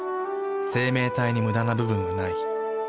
生命体にムダな部分はない。